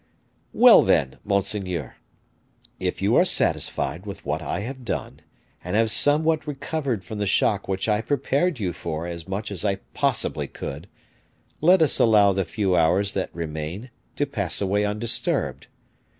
"Well, then, monseigneur, if you are satisfied with what I have done, and have somewhat recovered from the shock which I prepared you for as much as I possibly could, let us allow the few hours that remain to pass away undisturbed.